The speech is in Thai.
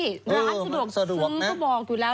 ร้านสะดวกซื้อก็บอกอยู่แล้ว